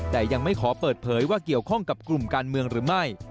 แต่ยังไม่ขอเปิดเผยว่าเกี่ยวข้องกับกลุ่มการเมืองหรือไม่